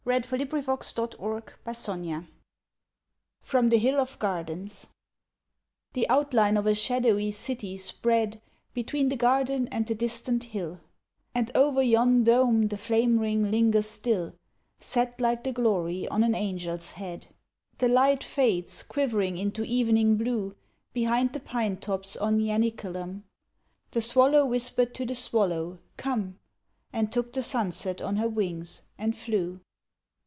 ROSE LEAF AND APPLE LEAF FROM THE HILL OF GARDENS The outline of a shadowy city spread Between the garden and the distant hill And o'er yon dome the flame ring lingers still, Set like the glory on an angel's head: The light fades quivering into evening blue Behind the pine tops on Ianiculum; The swallow whispered to the swallow "come!" And took the sunset on her wings, and flew.